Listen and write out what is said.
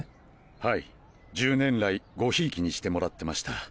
はい１０年来ごひいきにしてもらってました。